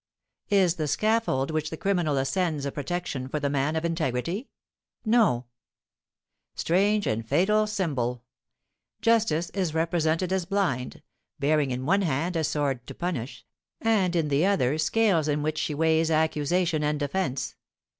Is the scaffold which the criminal ascends a protection for the man of integrity? No. Strange and fatal symbol! Justice is represented as blind, bearing in one hand a sword to punish, and in the other scales in which she weighs accusation and defence.